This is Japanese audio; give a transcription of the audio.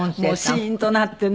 シーンとなってね。